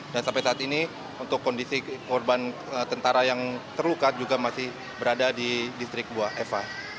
dan sampai saat ini untuk kondisi korban tentara yang terluka juga masih berada di distrik bua eva